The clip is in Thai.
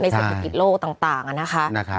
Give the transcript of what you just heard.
ในสถานกิจโลกต่างอะนะคะ